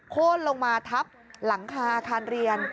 โค้นลงมาทับหลังคาอาคารเรียน